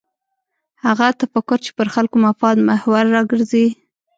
هغه تفکر چې پر خلکو مفاد محور راګرځي.